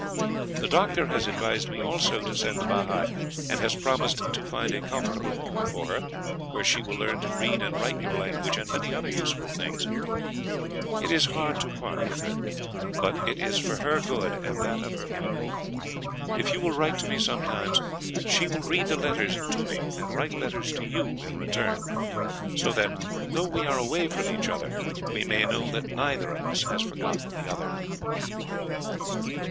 The doctor has advised me also to send Bahi, and has promised to find a comfortable home for her, where she will learn to read and write your language and many other useful things. It is hard to part with her; but it is for her good and that of her people. If you will write to me sometimes, she will read the letters to me and write letters to you in return, so that, though we are away from each other, we may know that neither of us has forgotten the other."